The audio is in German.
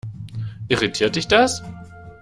Irritiert dich das?